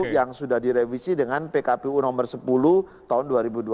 yang sudah direvisi dengan pkpu nomor sepuluh tahun dua ribu dua puluh